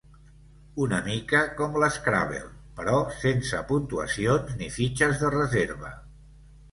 Una mica com l'Scrabble, però sense puntuacions ni fitxes de reserva.